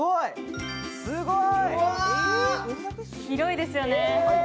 広いですよね。